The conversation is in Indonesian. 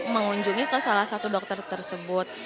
mengunjungi ke salah satu dokter tersebut